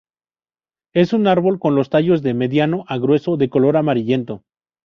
Es un árbol con los tallos de mediano a grueso, de color amarillento.